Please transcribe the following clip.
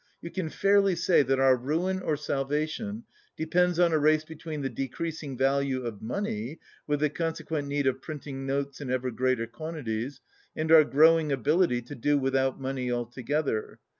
You can fairly say that our ruin or salvation depends on a race between the decreasing value of money (with the consequent need for printing notes in ever greater quantities) and our growing ability to do without money altogether.